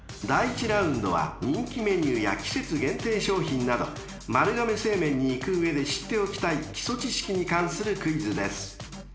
［第１ラウンドは人気メニューや季節限定商品など丸亀製麺に行く上で知っておきたい基礎知識に関するクイズです］